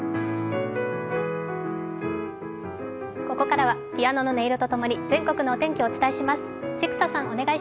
ここからは、ピアノの音色とともに、全国のお天気をお伝えします。